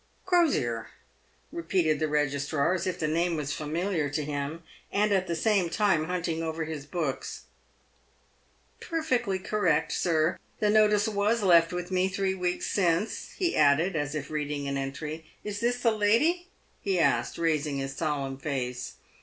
Crosier!" repeated the Begistrar, as if the name was familiar to him, and at the same time hunting over his books. " Per fectly correct, sir. The notice was left with me three weeks since," he added, as if reading an entry. " Is this the lady ?" he asked, raising his solemn face.